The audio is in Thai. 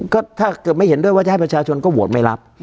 ก็ถ้าเกิดไม่เห็นด้วยว่าจะให้ประชาชนก็โหวตไม่รับ